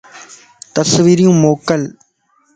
تصويريون موڪل